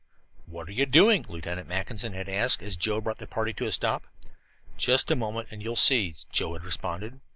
"What are you doing?" Lieutenant Mackinson had asked, as Joe brought the party to a stop. "Just a moment and you will see," Joe had responded.